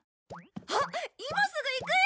あっ今すぐ行くよ！